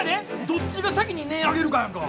どっちが先に音ぇ上げるかやんか。